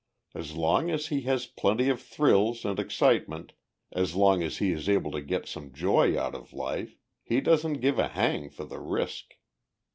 As long as he has plenty of thrills and excitement, as long as he is able to get some joy out of life, he doesn't give a hang for the risk.